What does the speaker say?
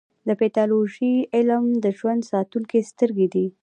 د پیتالوژي علم د ژوند ساتونکې سترګې دي.